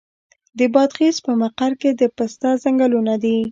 د بادغیس په مقر کې د پسته ځنګلونه دي.